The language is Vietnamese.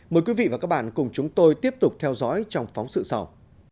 mời quý vị và các bạn cùng chúng tôi tiếp tục theo dõi trong phóng sự sau